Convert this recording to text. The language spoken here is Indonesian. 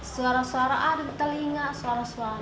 suara suara ada di telinga suara suara